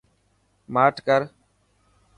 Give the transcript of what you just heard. ماٺ ڪر.